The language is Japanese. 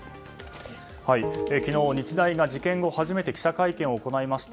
昨日、日大が事件後初めて記者会見を行いました。